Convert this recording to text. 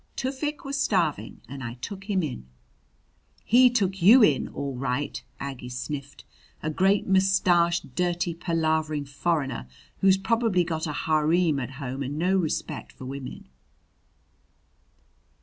Tufik was starving and I took him in." "He took you in, all right!" Aggie sniffed. "A great, mustached, dirty, palavering foreigner, who's probably got a harem at home and no respect for women!"